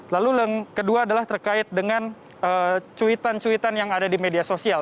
lalu yang kedua adalah terkait dengan cuitan cuitan yang ada di media sosial